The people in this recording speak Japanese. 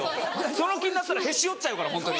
その気になったらへし折っちゃうからホントに。